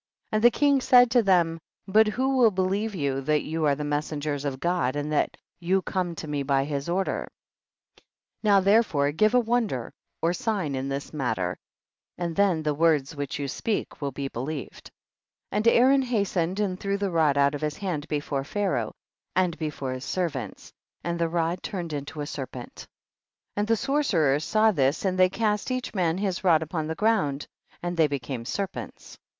34. And the king said to them, but who will believe you that you are the messengers of God and that you come to me by his order ? 35. Now therefore give a wonder or sign in this matter, and then the words which you speak will be be lieved. 36. And Aaron hastened and threw the rod out of his hand before Pha raoh and before his servants, and the rod turned into a serpent. 37. And the sorcerers saw this and they cast each man his rod upon the ground and they became serpents.